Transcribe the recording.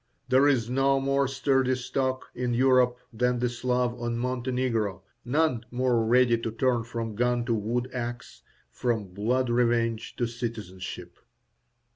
There is no more sturdy stock in Europe than the Slav of Montenegro, none more ready to turn from gun to wood axe, from blood revenge to citizenship.